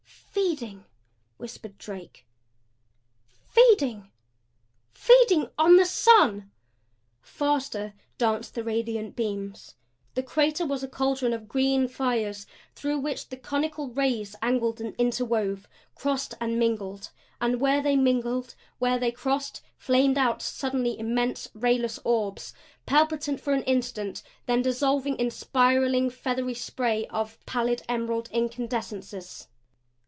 "Feeding!" whispered Drake. "Feeding! Feeding on the sun!" Faster danced the radiant beams. The crater was a cauldron of green fires through which the conical rays angled and interwove, crossed and mingled. And where they mingled, where they crossed, flamed out suddenly immense rayless orbs; palpitant for an instant, then dissolving in spiralling, feathery spray of pallid emerald incandescences.